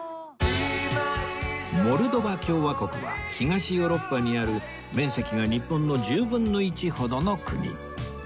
モルドバ共和国は東ヨーロッパにある面積が日本の１０分の１ほどの国